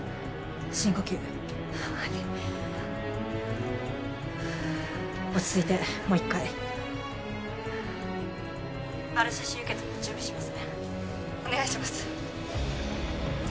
深呼吸落ち着いてもう一回ＲＣＣ輸血の準備しますねお願いします